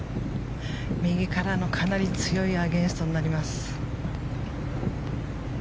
右からのかなり強いアゲンストになります。